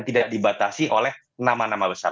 tidak dibatasi oleh nama nama besar